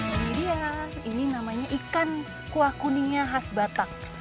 ini dia ini namanya ikan kuah kuningnya khas batak